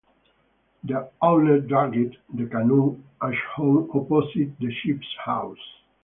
The owner dragged the canoe ashore opposite the chief's house.